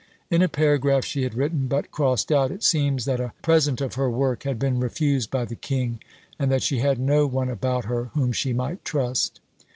In a paragraph she had written, but crossed out, it seems that a present of her work had been refused by the king, and that she had no one about her whom she might trust.